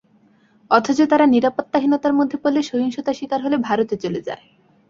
অথচ তারা নিরাপত্তাহীনতার মধ্যে পড়লে, সহিংসতার শিকার হলে ভারতে চলে যায়।